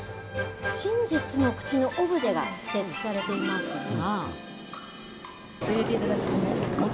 真実の口のオブジェが設置されていますが。